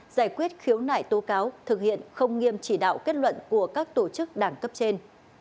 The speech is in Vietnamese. giải quyết khiếu nại tố cáo thực hiện không nghiêm chỉ đạo kết luận của các tổ chức đảng cấp trên